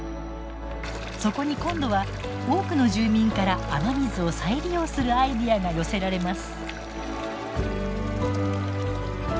そこに今度は多くの住民から雨水を再利用するアイデアが寄せられます。